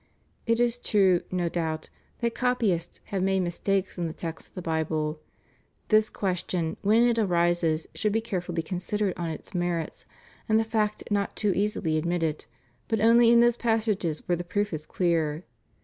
It is true, no doubt, that copyists have made mistakes in the text of the Bible; this question, when it arises, should be carefully considered on its merits, and the fact not too easily admitted, but only in those passages where the proof is clear.